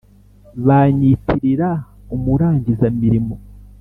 banyitirira umurangiza-mirimo.